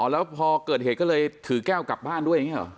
แล้วพอเกิดเหตุก็เลยถือแก้วกลับบ้านด้วยอย่างนี้หรอ